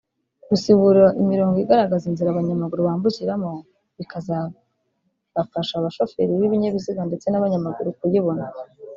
Gusibura imirongo igaragaza inzira abanyamaguru bambukiramo bikazabafasha abashoferi b’ibinyabiziga ndetse n’abanyamaguru kuyibona